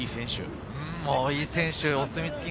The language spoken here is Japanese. いい選手。